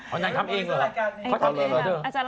อาจารย์ทำเองเหรอ